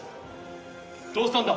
どうしたんだ？